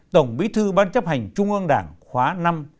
tổng bí thư ban chấp hành trung ương đảng khóa năm